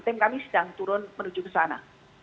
tim kami sedang turun menuju ke sana